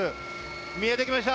見えてきました。